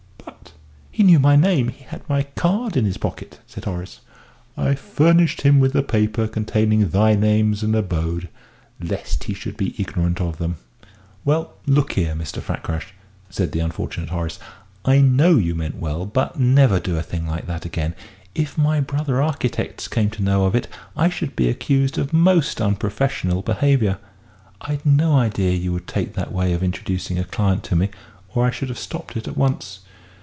"But he knew my name he had my card in his pocket," said Horace. "I furnished him with the paper containing thy names and abode, lest he should be ignorant of them." "Well, look here, Mr. Fakrash," said the unfortunate Horace, "I know you meant well but never do a thing like that again! If my brother architects came to know of it I should be accused of most unprofessional behaviour. I'd no idea you would take that way of introducing a client to me, or I should have stopped it at once!"